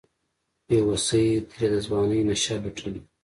بیوسۍ ترې د ځوانۍ نشه لوټلې